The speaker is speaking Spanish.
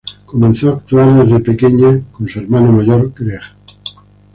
Comenzó a actuar desde pequeña con su hermano mayor, Greg.